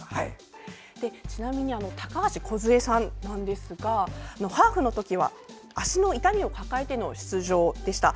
ちなみに高橋こず恵さんハーフのときは足の痛みを抱えての出場でした。